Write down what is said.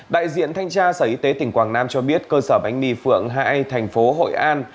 đại diện thanh tra sở y tế tỉnh quảng nam cho biết cơ sở bánh mì phượng hai a thành phố hội an